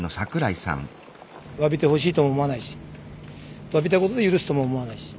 わびてほしいとも思わないしわびたことで許すとも思わないし。